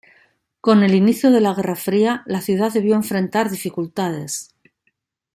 Con el inicio de la Guerra Fría, la ciudad debió enfrentar dificultades.